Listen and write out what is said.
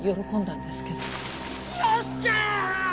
よっしゃー！